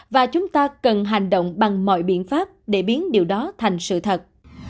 và chúng ta cần hành động bằng mọi biện pháp để biến điều đó thành sự thật